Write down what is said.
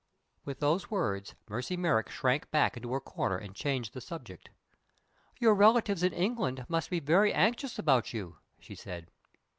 With those words Mercy Merrick shrank back into her corner and changed the subject. "Your relatives in England must be very anxious about you," she said.